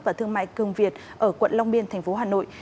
và thương mại cường việt ở quận long biên tp hà nội